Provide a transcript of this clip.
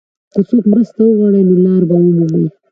که څوک مرسته وغواړي، نو لار به ومومي.